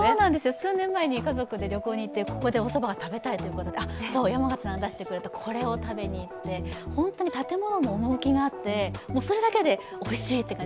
数年前に家族で旅行に行ってここでおそばが食べたいということで、これを食べに行って本当に建物も趣があってそれだけでおいしいって感じ。